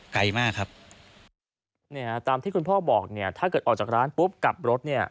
ไกลมากครับเนี่ยตามที่คุณพ่อบอกเนี่ยถ้าเกิดออกจากร้านปุ๊บกลับรถเนี่ย